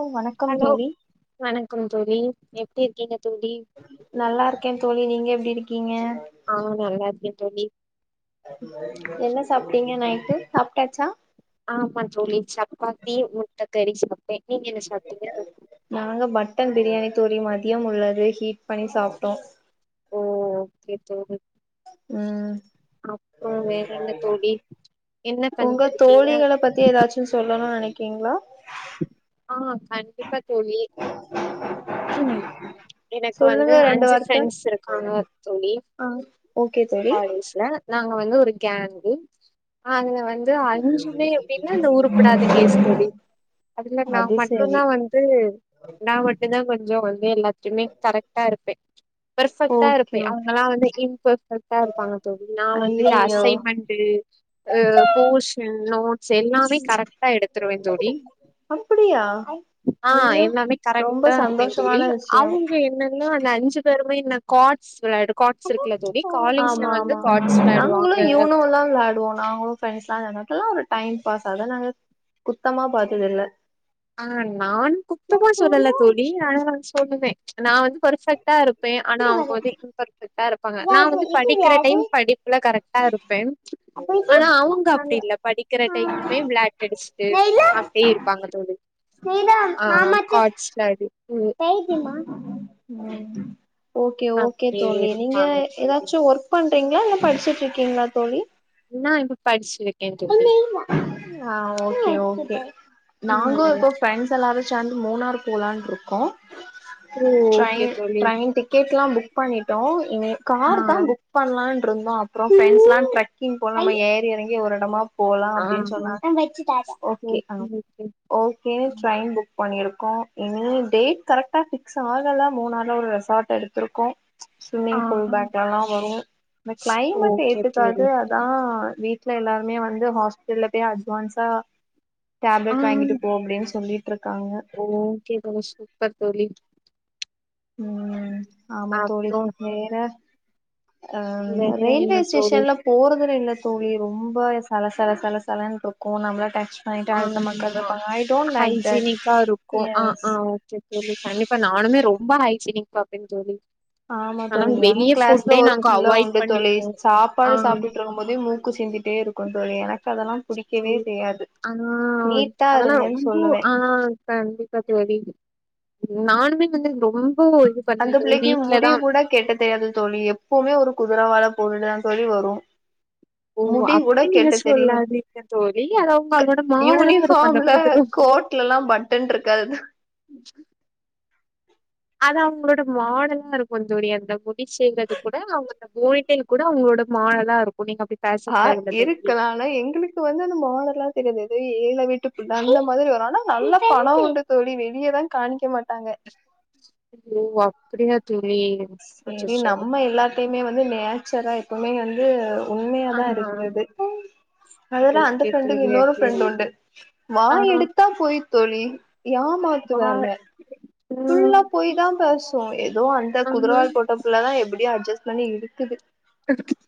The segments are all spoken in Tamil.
ஓ வணக்கம் ஹலோ தோழி வணக்கம் தோழி எப்டி இருக்கீங்க தோழி நல்லா இருக்கே தோழி நீங்க எப்டி இருக்கீங்க ஆ நல்லா இருக்கேந்தோழி என்ன சாப்ட்டீங்க நையிட்டு சாப்ட்டாச்சா ஆம்மா தோழி சப்பாத்தி முட்ட கறி சாப்ட்டே நீங்க என்ன சாப்ட்டீங்க நாங்க மட்டன் பிரியாணி தோழி மதியம் உள்ளது ஹீட் பண்ணி சாப்ட்டோ ஓ ஓகே தோழி உம் அப்றோ வேற என்ன தோழி என்ன உங்க பண்ணிட்டு இருக்கீங்க தோழிகளை பத்தி ஏதாச்சு சொல்லணுனு நெனைக்கீங்களா ஆ கண்டிப்பா தோழி எனக்கு வந்து சொல்லுங்க ரெண்டு அஞ்சு வார்த்த ப்ரெண்ட்ஸ் இருக்காங்க தோழி ஆ ஓகே தோழி காலேஜ்ல நாங்க வந்து ஒரு கேங்கு அதுல வந்து அஞ்சுமே எப்டின்னா அந்த ஊருப்படாத கேஸ் தோழி அதுல நா அது மட்டுந்தா சரி வந்து நா இப்டிதா கொஞ்ச வந்து எல்லாத்டியுமே கரெக்டா இருப்பே பெர்ஃபெக்ட்டா ஓகே இருப்பே ஓகே அவங்கல்லா வந்து இன்பெர்பெக்ட்டா இருப்பாங்க தோழி நா வந்து இந்த ஐயையோ அசைன்மெண்ட்டு போர்ஷன் நோட்ஸ் எல்லாமே கரெக்ட்டா எடுத்துருவே ஜோடி அப்படியா ஆ எல்லாமே கரெக்டா இருப்பே தோழி விஷயோ அவுங்க என்ன [unintelligible] அந்த அஞ்சி பேருமே [unintelligible] காட்ஸ் வெளையாடு ஆமா ஆமாமா காட்ஸ் ஆ நாங்களு விளையாடுவாங்க இவனு வெளாடுவோ நாங்களு [unintelligible] இதெல்லா ஒரு டைம் பாஸ் அத நாங்க குத்தமா பாத்தது இல்ல ஆ நானு குத்தமா சொல்லல தோழி ஆனா நா சொல்லுவே நா வந்து பர்ஃபெக்டா இருப்பே ஆனா அவுங்க வந்து இம்பர்ஃபெக்டா இருப்பாங்க நா வந்து படிக்கிற டைம் படி எல்லா கரெக்டா இருப்பே ஆனா அவுங்க அப்டி இல்ல படிக்கிற டைமு விளாட்டு அடிச்சுட்டு அப்டியே இருப்பாங்க தோழி ஆ காச்சல் அடிக்குது ஓகே ஓகே அப்டியே தோழி நீங்க இருப்பாங்க தோழி எதாச்சு ஒர்க் பண்றீங்களா இல்ல படிச்சிட்டு இருக்கீங்களா தோழி நா [unintelligible] படிச்சினுருக்கே ஆ ஓகே ஓகே நாங்கே ம் இப்போ ஃப்ரண்ட்ஸ் எல்லாரு சேர்ந்து மூணார் போலானு இருக்கோ ஓ ஓகே ட்ரயின் தோழி ட்ரயின் டிக்கெட் கெட்ல்லா புக் பண்ணிட்டோ இ ஆ காருதா புக் பண்லான்ருந்தோ அப்புறோ ஃப்ரெண்ட்ஸ்லா ட்ரக்கிங் போலா நம்ம ஏறி எறங்கி ஒரு எடமா போலா ஆ அப்டினு சொன்னாங்க ஓகே ம் ஓகேனு ட்ரெயின் புக் பண்ணிருக்கோ இனி டேட் கரெக்டா பிக்ஸ் ஆகல மூணார்ல ஒரு ரெசார்ட் எடுத்திருக்கோ ஆ ஸ்விம்மிங் பூல் பேக்லல்லா வரு இந்த க்ளைமேட் ஓகே ஏத்துக்காது தோழி அ தா வீட்டு்ல எல்லாருமே வந்து ஹாஸ்பிட்டல்ல பெய் அட்வான்ஸா ஆ டேப்லெட் வாங்கிட்டு போ அப்டினு சொல்லிட்டு இருக்காங்க ஓகே தோழி சூப்பர் தோழி ம் ஆமா தோழி அப்றோ வேற ஆ வேற என்ன ரயில்வே தோழி ஸ்டேஷன்ல போறதுல இல்ல தோழி ரொம்போ சல சல சல சலட்ன்டு இருக்கு நம்மளா டைம் ஆமா தட் ஹைஜினிக்கா இருக்கு ஆ எஸ் ஆ ஓகே தோழி தனி இப்ப நானுமே ரொம்ப ஹைஜீனிக் பாப்பே தோழி ஆமா ஆனா தோழி எங் வெளிய கிளாஸ்ல ஃபுட்டே ஒரு நாங்க புள்ள அவாய்ட் உண்டு தோழி பண்ணிப்போ ஆ சாப்பாடு சாப்ட்டுட்டு இருக் குபோதே மூக்கு சிந்திட்டே இருக்கு தோழி எனக் சரி அ அதா நீட்டா அதல்லா இருங்கன்னு [unintelligible] சொல்லுவே ஆ கண்டிப்பா தோழி நானுமே வந்து ரொம்போ இது பண்ணுவே தோழி வீட்லதா கேக்க தெரியாது தோழி எப்பவுமே ஒரு குதிரைவால போட்டுட்டுதா தோழி வரு ஓ முடி கூட அப்டி நீங்க கெட்ட தெரியாது சொல்லாதிங்க தோழி அத உங்களோட மாடல்லா இருக்கு அந்த குதிரை கோட்லலா பட்டன் இருக்காது [unintelligible] அது அவங்களோட மாடல்லா இருக்கு தோழி அந்த முடி செய்றது கூட அவுங்க போனிட்டையில் கூட அவங்களோட மாடல்லா இருக்கு நீங்க அப்டி ஆ பேசக்கூடாதுல்ல தோழி இருக்கலா ஆனா எங்களுக்கு க்கு வந்து அந்த மாடல்லா தெரியாது [unintelligible] ஏழ வீட்டு நல்ல மாதிரி வரு ஆனா நல்ல பணோ இருந் தோழி வெளியதா காமிக்க மாட்டாங்க ஓ அப்டியா தோழி செரி அச்சச்சோ நம்ம எல்லாத்தையுமே வந்து நேச்சரா எப்பமே வந்து ஆ உண்மையாதா இருக்குறது அதெல்லா அந்த ஓகே ஃப்ரெண்டுக்கு தோழி இன்னொரு ஓகே ஃப்ரெண்ட்டு உண்டு ஆ வாய எடுத்து த்தா போயி தோழி ஏமாத்து வா வேல ஆ ஃபுல்லா பொய் தா பேசோம் ஏதோ அந்த ஆமா. குதிரவால் போட்ட இதுலலா எப்டி அட்ஜஸ்ட் பண்ணி இருக்குது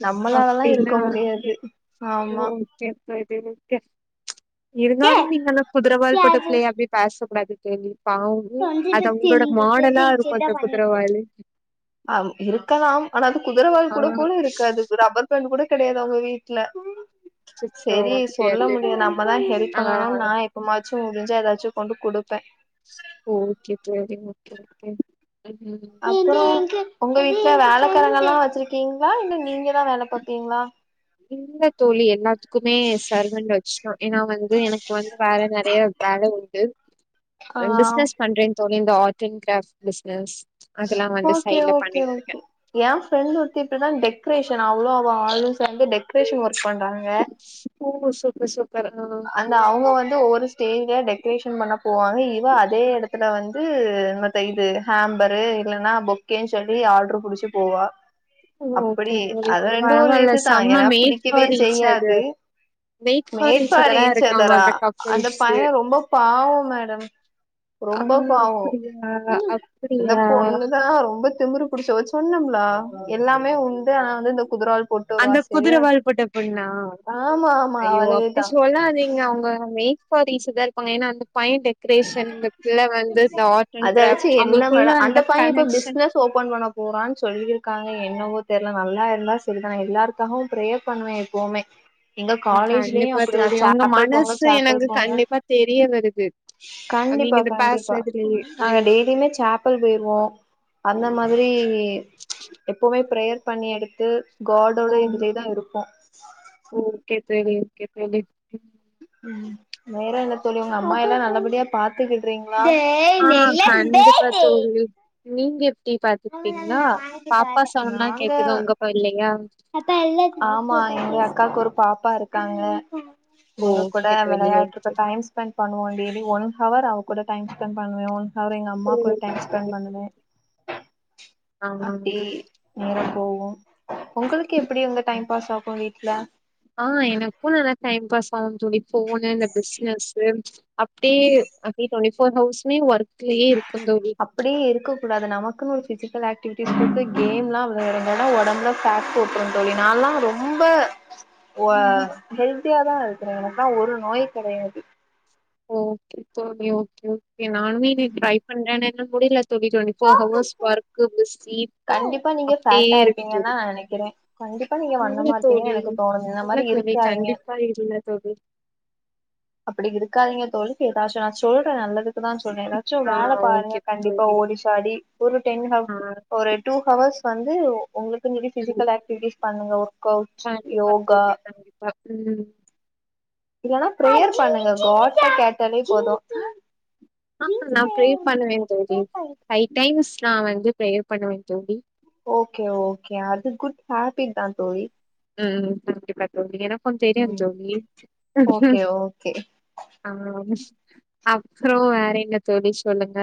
நம்மளாலல்லா அப்டின்னா இருக்க முடியாது ஆமா எப்டி இருந்தே இருந்தாலும் நீங்க குதிரவால் போட்ட அது பிள்ளையாவே அப்ப பேசக்க கூடாது தோழி பாவு அது தொன்றிபத்தி அவுங்களோட இருந்துட்டு மாடலா இருக்கும் இப்டிதா அந்த பண்ணிருக்கே குதிரவாலு ஆ இருக்கலாம் ஆனா அது குதிரவால் ஆ கூட போல இருக்காது ரப்பர் பேண்ட் கூட கெடையாது அவுங்க வீட்ல அச்சச்சோ! சேரி அப்டியா சொல்ல தோழி. முடியு நம்மதா ஹெல்ப் ஆ பண்ணணும் நா இ மாச்சும் முடுஞ்சா ஏதாச்சும் கொண்டு குடுப்பேன் ஓகே தோழி சரி ஓகே ஓகே உம் அப்பறோம் உங்க வீட்ல வேலக்காரங்கல்லா வச்சிருக்கீங்ளா இல்ல நீங்க தா வேலை பாப்பிங்ளா இல்ல தோழி எல்லாத்துக்குமே சர்வண்ட் வச்சுட்டோம் ஏன்னா வந்து எனக்கு வந்து வேலை நெறைய வேலை உண்டு ஆ பிசினஸ் பண்றேங் தோழி இந்த ஆர்ட் அண்ட் கிராப்ட் பிசினஸ் அதெல்லாம் வந்து சைட்ல பண்ணிட்டு இருக்கேன் என் ஃப்ரெண்ட் ஒருத்தி இப்டிதா டெக்ரேஷன் அவளு அவ ஆளும் சேந்து டெக்ரேஷன் ஒர்க் பண்றாங்க சூப்பர் சூப்பர் சூப்பர் ஆ அந்த அவுங்க வந்து ஒவ்வொரு ஸ்டேஜ்ல டெக்ரேஷன் பண்ண போவாங்க இவ அதே இடத்துல வந்து இது ஹேம்பரு இல்லேன்னா பொக்கேன்னு சொல்லி ஆர்ட்ரு புடிச்சு போவா ஓகே அப்டி தோழி அது ரெண்டு ஒரு பரவாயில்ல இதுதா செம்ம ஏன்னா மேக் புடிக்கவே for each other made for each each அதரா இருக்காங்க சதரா அந்த அந்த கப்புள்ஸு பையே ரொம்ப பாவம் மேடம் ஆ ரொம்ப பாவோம் அப்டியா இந்த அப்டியா பொண்ணுதா ஆ ரொம்ப திமுறு புடிச்சவ சொன்னம்லா எல்லாமே உண்டு ஆனா வந்து இந்த குதிராவால் போட்டு அந்த வருவா குதிர சரியா வால் போட்ட பொண்ணா ஆமா ஆமா ஐயோ அப்டி அவளேதா சொல்லாதாதீங்க அவங்க மே க் ஃபார் ஈச் அதரா இருக்காங்க ஏன்னா அந்த பாயிண்ட் கிரியேஷன்க்இந்தபிள்ள வந்து இந்த ஆர்ட் அண்ட் அத கிராப்ட் அவுங்களுக்குள்ள அந்த கனெக்க்ஷன் [unintelligible] ஓபன்பண்ண போறான்னு சொல்லி இருக்காங்க என்னவோ தெரியல நல்லா இருந்தா சொல்றேன் எல்லாருக்காகவும் பிரேயர் பண்ணுவே ப்பவுமே எங்க காலேஜ்லயும் கண்டிப்பா அப்டிதா தோழி உங்க சாப்பல் போங்க மனசு சாப்பல் எனக்கு போங்க கண்டிப்பா தெரிய வருது நீங்க கண்டிப்பா இந்த கண்டிப்பா பேசுறதுலயே நாங்க ம் டெய்லியுமே சாப்பல் போய்ருவோ அந்த மாதிரி இங்கே எப்பவுமே பிரேயர் பண்ணி எடுத்து காடோட இதுலே தா ஓகே இருப்போ ஓகே தோழி ஓகே தோழி உம் வேற என்ன தோழி உங்க அம்மா எல்லாம் நல்லபடியா பாத் த்துக்றீங்களா ஆ கண்டிப்பா தோழி நீங்க எப்டி பாத்துப்பீங்ளா பாப்பா சவுன்ட்லா நாங்க கேக்குது உங்க கொழந்தயா ஆமா எங்க அக்காக்கு ஒரு பாப்பா இருக்காங்க ஓ இவுங்க கூட கேக்கவில்லையா வெளையாட்டுக்கு ஓகே டைம் ஸ்பெண்ட் பண்ண வேண்டியது ஒன் ஹவர் அவ கூட டைம் ஸ்பெண்ட் பண்ணுவே அவர் எங்க அம்மா கூட டைம் ஸ்பெண்ட் பண்ணுவே ஆ அப்டி நேரோ போவும் உங்களுக்கு எப்டி வந்து டைம் பாஸ் ஆகும் வீட்ல ஆ எனக்கும் நல்லா டைம் பாஸ் ஆகும் தோழி போனு இந்த பிஸ்னஸ் அப்டியே அப்டி டுவெண்டி ஃபோர் ஹவுஸ்மே ஒர்க்லயே இருக்கு தோழி அப்டியே இருக்கக்க கூடாது நமக்குன்னு ஒரு ஃபிசிக்கல் ஆக்டிவிட்டிஸ் கேம்லா வெ இருந்தா தா ஒடம்புல ஃபேட் போட்டுருவேன் தோழி நான்லாம் ரொம்ப ஓ அ ஹெல்தியாதான் இருக்கேன் எனக்குலா ஒரு நோய் கெடையாது ஓ ஓகே சரி ஓகே ஓகே நானுமே இனி ட்ரை பண்றேன்னு ஆனா என்னால முடியல twenty twenty four hours work busy கண்டிப்பா நீங்க ஃபேட்டா இருப்பீங்கன் தா நா நெனைக்கிறேன் கண்டிப் இல்ல தோழி இல்ல தோழி இருக்காதீங்க கண்டிப்பா இல்ல தோழி அப்புடி இருக்காதீங்க தோழி எதாச்சும் நான் சொல்றேன் நல்லதுக்கு தான் சொல்றேன் எதா ச்சு ஆ வேல பாருங்க ஓகே கண்டிப்பா தோழி ஓடி சாடி ஒரு ஆ டென்ஹவ் ஒரு டூ ஹவர்ஸ் வந்து உங்களுக்குனு சொல்லி ம் பிசிக்கல் ஆக்டிவிட்டிஸ் பண்ணுங்க ஒர்க் அவுட்ஸ் கண்டிப்பா யோகா தோழி கண்டிப்பா ம் இல்லன்னா பிரேயர் பண்ணுங்க காட்டுட கேட்டாலே போது ஆ நா ப்ரெயர் பண்ணுவே தோழி ஃபைவ் டைம்ஸ் நா வந்து ப்ரெயர் பண்ணவே தோழி ஓகே ஓகே அது குட் ஹேப்பிட் தா தோழி ம் ம் கண்டிப்பா தோழி எனக்கு தெரியு ம் தோழி ஓகே ஓகே ஆ அப்றோ வேற என்ன தோழி சொல்லுங்க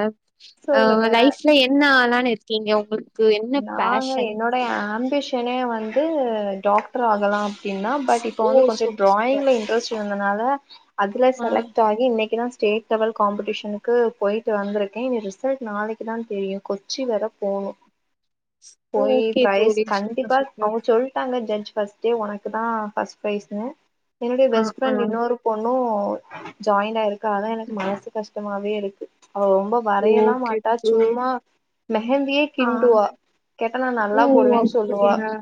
அ சொல்லுங்க லைஃப்ல என்ன ஆளான்னு இருக்கீங்க உங்ளுக்கு நாங்க என்னோடைய ஆம்பிஷனே வந்து டாக்டர் ஆகலாம் அப்டினா பட் இப்ப ஓ வந்து கொஞ்சோ சூப்பர் சூப்பர் டிராயிங்ல இன்ட்ரெஸ்ட் இருந்தனால அதுல ஆ செலக்ட் ஆகி இன்னைக்குதா ஸ்டேட் லெவல் காம்பிடிஷனுக்கு போயிட்டு வந்திருக்கே ரிசல்ட் நாளைக்கு தா தெரியு கொச்சி வேர போணும் போயி ஓகே ப்ரைஸ் தோழி சூப்பர் கண்டிப்பா சூப்பர் அவுங்க சொல்ட்டாங்க ஜட்ஜ் ஃபஸ்ட் உனக்கு தா ஃபர்ஸ்ட் பிரைஸுனு என்னுடைய ஆ பெஸ்ட் ஆ ஃப்ரெண்டு இன்னொரு பொண்ணு ஜாயிண்ட் ஆயிருக்கா அதா எனக்கு மனசு கஷ்டமாவே இருக்கு அவா ரொம்ப வரையலா ஓகே மாட்டா தோழி சும்மா மெஹந்தியே ஆ கிண்டுவா கேட்டா நா நல்லா ஓ போடுவே சொல்லுவா அப்டியா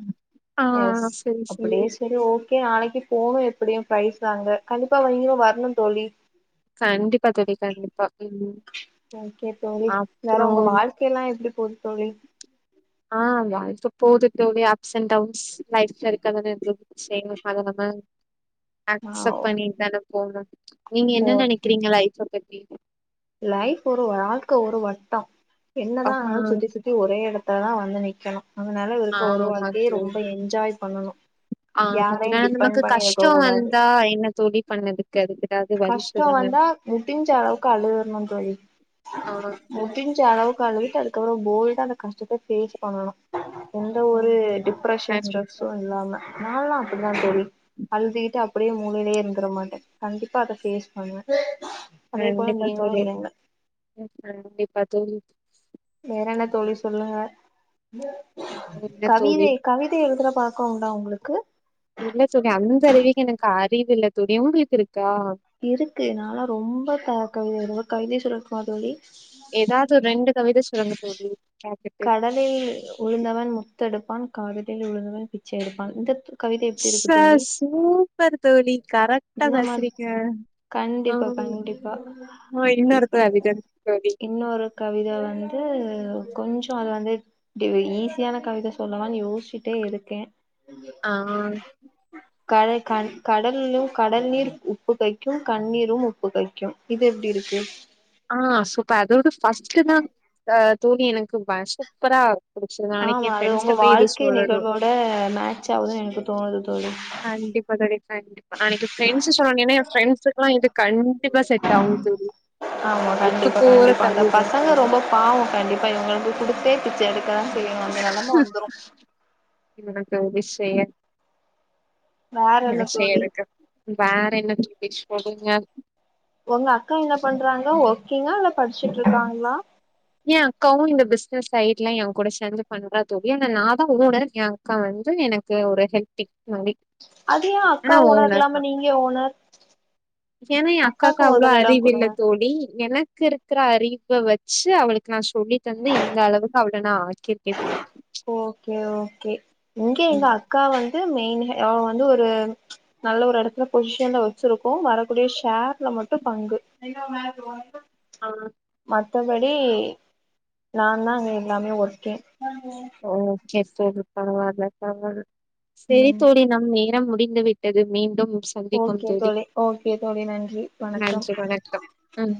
ஆ எஸ் சரி, சரி. அப்டி செரி ஓகே நாளைக்கு போவோ எப்டியு ப்ரைஸ் வாங்க கண்டிப்பா நீங்களு வரணு தோழி கண்டிப்பா தோழி கண்டிப்பா ம் ஓகே தோழி வேற உங்க அப்புறம் வாழ்க்கை எல்லா எப்டி போகுது தோழி ஆ [unintelligible] போது தோழி அப்ஸ் அண்ட் டவுன்ஸ் லைஃப்ல இருக்கது [unintelligible] சேரி [unintelligible] ஆ அக்சப்ட் பண்ணிட்டு தான போணு நீங்க என்ன ஓகே நெனைக்கிறீங்க லைஃப பத்தி லைஃப் ஒரு வாழ்க்க ஒரு வட்டோ என்ன ஆ தா ஆனாலு சுத்தி சுத்தி ஒரே எடத்துலதா வந்து நிக்கணு அதனால இருக்க ஒரு ஆமா வாழ்க்கையே ரொம்ப என்ஜாய் பண்ணனு ஆ [unintelligible] நமக்கு கஷ்டோ கூடாது வந்தா என்ன தோழி பண்ணதுக்கு அது எதாவது வழி கஷ்டோ சொல்லுங்க வந்தா முடிஞ்ச அளவுக்கு அழுதுரனு தோழி ஆ முடிஞ்ச அளவுக்கு அழுதுட்டு அதுக்கப்பறோ போல்டா அந்த கஷ்டத்த ஃபேஸ் பண்ணணு எந்த ஒரு ம். டிப்ரெஷன் கண்டிப்பா, ஸ்ட்ரெஸ்ஸு இல்லாம நா ல்லா அப்டிதா தோழி அழுதுகிட்டு அப்பிடியே மூலையிலயே இருந்துற மாட்டே கண்டிப்பா அத ஃபேஸ் பண்ணுவே அதே போல கண்டிப்பா நீங்களு தோழி இருங்க கண்டிப்பா தோழி வேற என்ன தோழி சொல்லுங்க என்ன தோழி கவிதை கவிதை எழுதுற பழ கோ உண்டா உங்களுக்கு இல்ல தோழி அந்த அளவுக்கு எனக்கு அறிவு இல்ல தோழி உங்குளுக்கு இருக்கா இருக்கு நா லான் ரொம்ப க கவித எழுதுவே ஒரு கவிதய சொல்லட்டுமா தோழி எதாது ரெண்டு கவித சொல்லுங்க தோழி கேட்டுட்டு தில் உழுந்தவன் முத்தெடுப்பான் காதலில் உழுந்தவன் பிச்சை எடுப்பான் இந்த கவிதை எப்டி ச இருக்கு தோழி சூப்பர் தோழி கரெக்டா இந்த மாரி பேசுறிங்க கண்டிப்பா கண்டிப்பா இன்னொருத்த இப்டி அதுக்கு தோழி இன்னொரு கவித வந்து கொஞ்சோ அது வந்து இப்டி ஈஸியான கவித சொல்லலானு யோசிச்சிட்டே இருக்கே ஆ கட கண் கடலு கடல் நீர் உப்பு கைக்கு கண்ணீரு உப்பு கைக்கு கு இது எப்டி இருக்கு ஆ சூப்ப அதோட ஃபஸ்ட் தா அ தோழி எனக்கு சூப்பரா பிடிசிது நாளைக்கு எ ப்ரெண்ஸ்ட்ட போய் இத சொல்லணு ட மேட்ச ஆகுதுனு எனக்கு தோணுது தோழி கண்டிப்பா தோழி கண்டிப்பா அன்னைக்கு ஃப்ரெண்ட்ஸ் சொன்னோனமே ஏ ஃப்ரண்ட்ஸ்க்லா எடு கண்டிப்பா செட் ஆவு தோழி ஆமா ஒத்து கண்டிப்பா போற கண்டிப்பா அந்த கவித பசங்க தோழி ரொம்ப பாவோ கண்டிப்பா இவங்களுக்கு குடுத்தே பிச்சை எடுக்கதா செய்வாங்க அந்த நெலம வந்துரு இன்ன தோழி செய்யா வேற என்ன என் செய்ய தோழி இருக்கு வேற என்ன தோழி சொல்லுங்க ஒங்க அக்கா என்ன பண்றாங்க ஓர்க்ங்கா இல்ல படிச்சுட்டுருக்காங்ளா ஏ அக்காவு இந்த பிசனஸ் சைட்லா ஏ கூட சேந்து பண்றா தோழி ஆன நாதா ஓனர் ஏ அ கா வந்து எனக்கு ஒரு ஹெல்ப்டிக் மாரி அது ஏ அக்கா ஓனர் இல்லாம நீங்க ஏ ஓனர் ஏனா எ அக்காக்கு அவ்ளோ மொதல் எடோ அறிவு இல்ல குடுங்க தோழி எனக்கு இருக்கிற அறிவ வச்சி அவளுக் நா சொல்லி தந்து இந்த அளவுக்கு அவள நா ஆக்கிருக்கே தோழி ஓகே ஓகே இங்க எங்க ம். அக்கா வந்து மெயின் அவ வந்து ஒரு நல்ல ஒரு எடத்துல பொசிஷன்ல வச்சிருக்கோ வரக்கூடிய ஷேர்ல மட்டு பங்கு [inaudible] ஆ மத்தபடி நா தா அங்க எல்லாமே ஒர்கிங் ஓகே தோழி பரவால்ல பரவால்ல செரி ம் தோழி நம் நேரம் முடிந்துவிட்டது மீண்டும் சந்திபோம் ஓகே தோழி ஓகே தோழி நன்றி வணக்கம் நன்றி வணக்கம் ம்